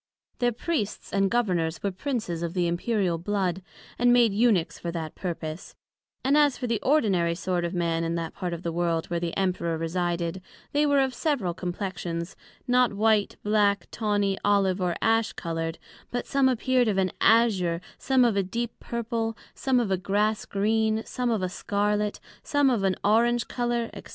Their Priests and Governors were Princes of the Imperial Blood, and made Eunuches for that purpose; and as for the ordinary sort of men in that part of the World where the Emperor resided, they were of several Complexions; not white, black, tawny, olive or ash coloured; but some appear'd of an Azure, some of a deep Purple, some of a Grass green, some of a Scarlet, some of an Orange colour, &c.